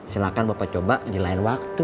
silahkan bapak coba jelain waktu